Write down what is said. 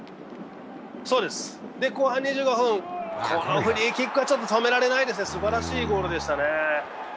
後半２５分、このフリーキックはちょっと止められないですね、すばらしいゴールでしたね。